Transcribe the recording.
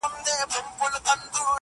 په ژړا مي شروع وکړه دې ویناته.!